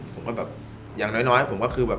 ผมก็แบบอย่างน้อยผมก็คือแบบ